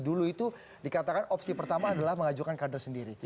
dulu itu dikatakan opsi pertama adalah mengajukan kader sendiri